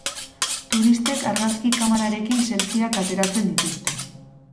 Turistek argazki kamararekin selfieak ateratzen dizute.